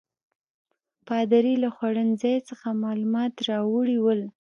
پادري له خوړنځای څخه معلومات راوړي ول.